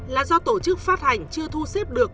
là do tổ chức phát hành chưa thu xếp được